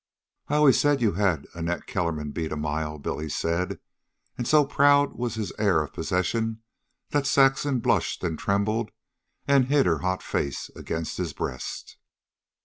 "I always said you had Annette Kellerman beat a mile," Billy said; and so proud was his air of possession that Saxon blushed and trembled, and hid her hot face against his breast.